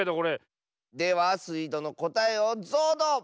ではスイどのこたえをぞうど！